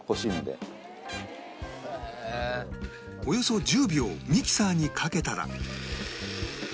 およそ１０秒ミキサーにかけたら